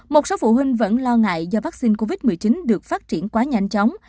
một số phụ huynh vẫn lo ngại do vaccine covid một mươi chín được phát triển quá nhanh chóng